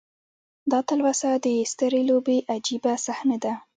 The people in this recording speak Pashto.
دا تلوسه د سترې لوبې عجیبه صحنه ده.